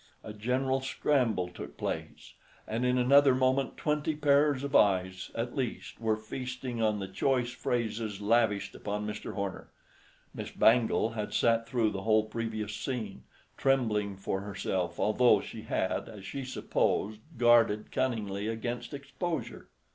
A general scramble took place, and in another moment twenty pairs of eyes, at least, were feasting on the choice phrases lavished upon Mr. Horner. Miss Bangle had sat through the whole previous scene, trembling for herself, although she had, as she supposed, guarded cunningly against exposure.